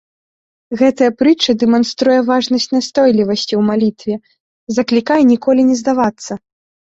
Гэтая прытча дэманструе важнасць настойлівасці ў малітве, заклікае ніколі не здавацца.